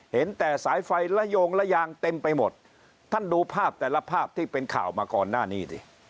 เห็นแต่สายไฟระโยงระยางเต็มไปหมดท่านดูภาพแต่ละภาพที่เป็นข่าวมาก่อนหน้านี้ดิ